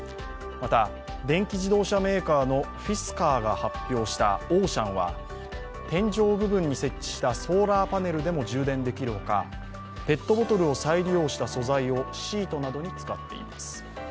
また、電気自動車メーカーのフィスカーが発表したオーシャンは天井部分に設置したソーラーパネルでも充電できるほかペットボトルを再利用した素材をシートなどに使っています。